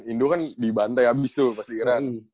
indo kan dibantai abis tuh pas di iran